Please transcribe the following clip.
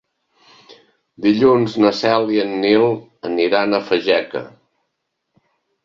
Dilluns na Cel i en Nil aniran a Fageca.